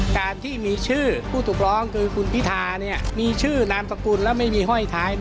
การที่มีชื่อผู้ถูกร้องคือคุณพิธามีชื่อนามสกุลแล้วไม่มีห้อยท้าย